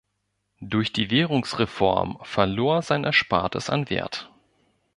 Durch die Währungsreform verlor sein Erspartes an Wert.